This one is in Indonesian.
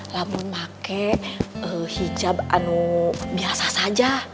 namun pake hijab biasa saja